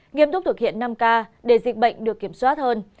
nghiêm túc thực hiện năm k để dịch bệnh được kiểm soát hơn